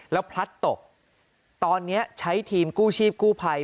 แล้วพลัดตกตอนนี้ใช้ทีมกู้ชีพกู้ภัย